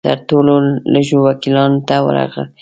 تر ټولو لږو وکیلانو ته ورغلی وم.